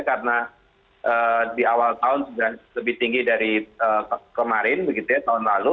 karena di awal tahun sebenarnya lebih tinggi dari kemarin begitu ya tahun lalu